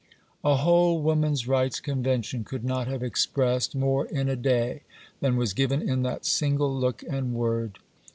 A whole woman's rights' convention could not have expressed more in a day than was given in that single look and word.